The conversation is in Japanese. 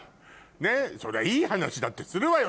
そりゃいい話だってするわよ